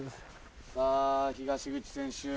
さぁ東口選手